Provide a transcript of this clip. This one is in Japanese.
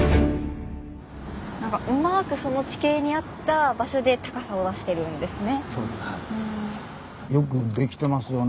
うまくその地形に合った場所で高さを出してるんですね。